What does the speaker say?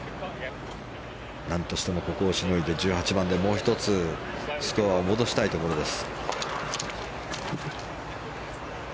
何としても、ここをしのいで１８番で、もう１つスコアを戻したいところです。